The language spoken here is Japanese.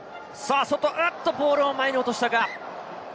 おっと、ボールを前に落としたか？